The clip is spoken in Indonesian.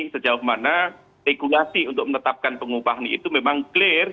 sejauh mana regulasi untuk menetapkan pengupahan itu memang clear